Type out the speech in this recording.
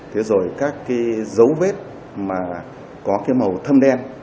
thế rồi các cái dấu vết mà có cái màu thơm đen